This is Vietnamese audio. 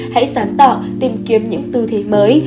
hãy sáng tạo tìm kiếm những tư thế mới